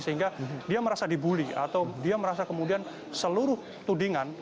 sehingga dia merasa dibully atau dia merasa kemudian seluruh tudingan